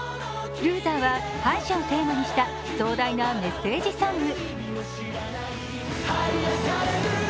「ＬＯＳＥＲ」は敗者をテーマにした壮大なメッセージソング。